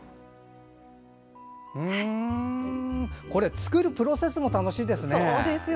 作るプロセスも楽しいですね。